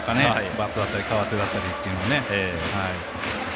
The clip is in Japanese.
バットだったり革手だったりというのをね。